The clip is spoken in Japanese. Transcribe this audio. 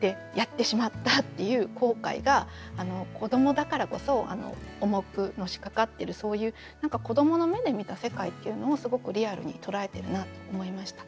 でやってしまったっていう後悔が子どもだからこそ重くのしかかってるそういう子どもの目で見た世界っていうのをすごくリアルに捉えてるなと思いました。